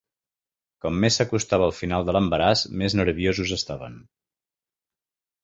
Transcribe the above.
Com més s'acostava el final de l'embaràs, més nerviosos estaven.